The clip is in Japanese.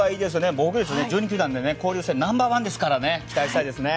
防御率は１２球団で交流戦ナンバーワンですから期待したいですね。